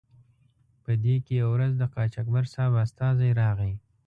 په دې کې یوه ورځ د قاچاقبر صاحب استازی راغی.